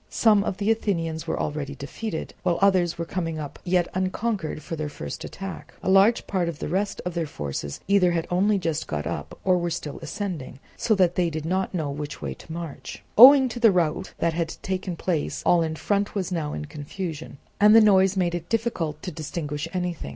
Some of the Athenians were already defeated, while others were coming up yet unconquered for their first attack. A large part also of the rest of their forces either had only just got up, or were still ascending, so that they did not know which way to march. Owing to the rout that had taken place all in front was now in confusion, and the noise made it difficult to distinguish anything.